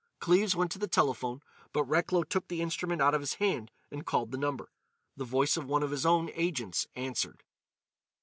Cleves went to the telephone, but Recklow took the instrument out of his hand and called the number. The voice of one of his own agents answered.